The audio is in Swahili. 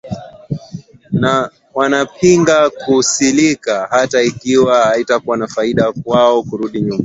na wanapinga kisilika hata ikiwa itakuwa faida kwao kurudi nyuma